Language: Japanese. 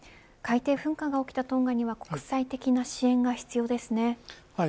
海底噴火が起きたトンガには国際的な支援が必要ですね。